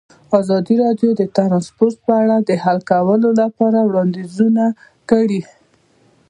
ازادي راډیو د ترانسپورټ په اړه د حل کولو لپاره وړاندیزونه کړي.